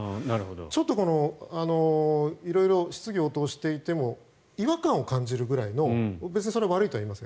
ちょっと色々質疑応答をしていても違和感を感じるくらいの別にそれ、悪いとは言いません